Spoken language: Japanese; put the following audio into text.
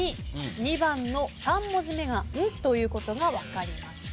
２番の３文字目が「ん」ということが分かりました。